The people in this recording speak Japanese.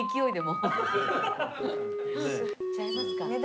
いっちゃいますか？